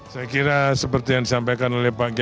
saya kira seperti yang disampaikan oleh pak gembo